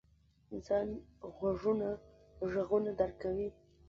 • د انسان غوږونه ږغونه درک کوي.